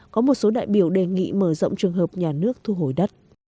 có một số đại biểu đề nghị mở rộng trường hợp nhà nước thu hồi đất